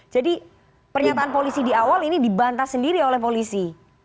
jadi pernyataan polisi di awal ini dibantah sendiri oleh polisi